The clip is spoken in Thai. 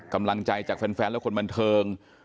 กำลังใจจากแฟนและคนบันเทิง